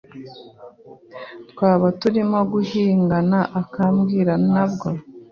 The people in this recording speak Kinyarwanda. Twaba turimo guhingana akambwira nabwo